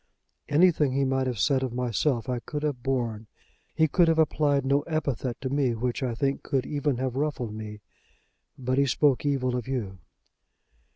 "Anything he might have said of myself I could have borne. He could have applied no epithet to me which, I think, could even have ruffled me. But he spoke evil of you."